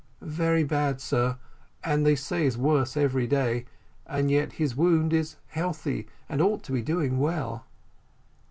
"Very bad, sir; and, they say, is worse every day, and yet his wound is healthy, and ought to be doing well."